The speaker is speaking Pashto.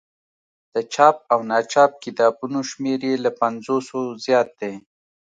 د چاپ او ناچاپ کتابونو شمېر یې له پنځوسو زیات دی.